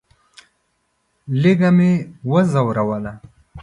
لږه مې وځوروله.